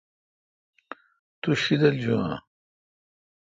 تو شیدل جون آں؟